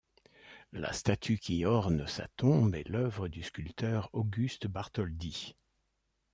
La statue qui orne sa tombe est l’œuvre du sculpteur Auguste Bartholdi.